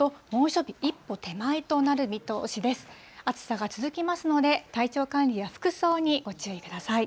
暑さが続きますので、体調管理や服装にご注意ください。